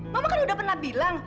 mama kan udah pernah bilang